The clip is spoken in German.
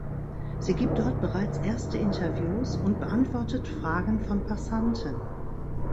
Sie gibt dort bereits erste Interviews und beantwortet Fragen von Passanten.